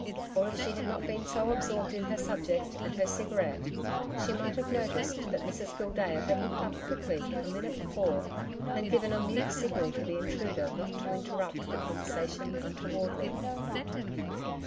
Or if she had not been so absorbed in her subject and her cigarette she might have noticed that Mrs Gildea had looked up quickly a minute before and given a mute signal to the intruder not to interrupt the conversation untowardly.